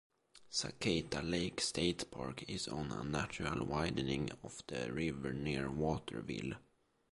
Sakatah Lake State Park is on a natural widening of the river near Waterville.